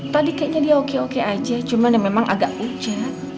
tadi kayaknya dia oke oke aja cuman memang agak hujan